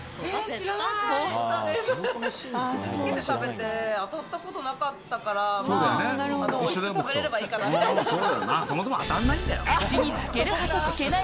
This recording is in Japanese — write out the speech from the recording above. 口つけて食べて、あたったことなかったから、まあ、おいしく食べれればいいかなみたいな。